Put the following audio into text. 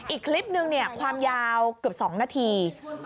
อีกคลิปนึงความยาวเกือบ๒นาที